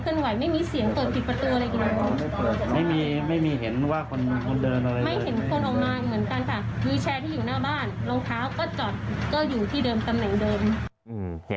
ก็อยู่ที่เติมแหน่งเดิม